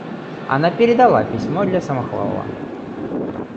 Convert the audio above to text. Она передала письмо для Самохвалова.